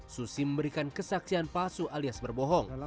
susi memberikan kesaksian palsu alias berbohong